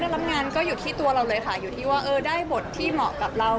ตอนแรกก็โผงนะแบบอุ๊ยตายแล้วเหมือนไม่มีสังกัดแล้ว